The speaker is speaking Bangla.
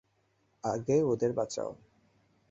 আগে ওদের বাঁচাও।